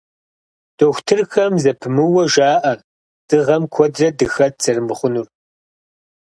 Дохутырхэм зэпымыууэ жаӀэ дыгъэм куэдрэ дыхэт зэрымыхъунур.